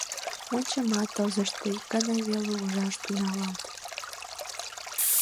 Мончамат тылзыште ик гана веле ужаш тӱҥалат.